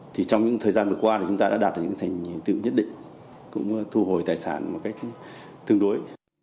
thì trong những thời gian vừa qua thì chúng ta đã đạt được những thành tựu nhất định cũng thu hồi tài sản một cách tương đối